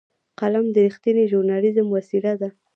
قلم د رښتینې ژورنالېزم وسیله ده